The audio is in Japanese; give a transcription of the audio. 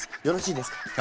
よろしいですか？